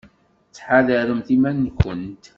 Ttḥadaremt iman-nkent.